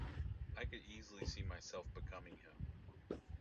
I could easily see myself becoming him.